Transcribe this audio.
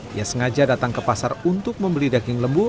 dia sengaja datang ke pasar untuk membeli daging lembu